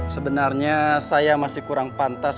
sebenarnya saya masih kurang pantas